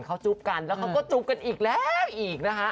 เขาจุ๊บกันแล้วเขาก็จุ๊บกันอีกแล้วอีกนะคะ